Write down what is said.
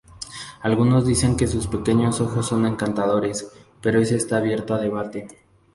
Algunos dicen que sus pequeños ojos son encantadores, pero eso está abierto a debate.